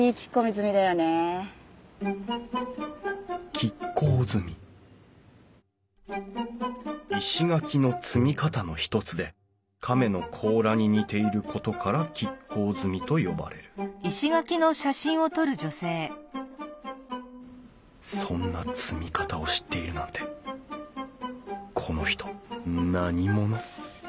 亀甲積み石垣の積み方のひとつで亀の甲羅に似ていることから亀甲積みと呼ばれるそんな積み方を知っているなんてこの人何者？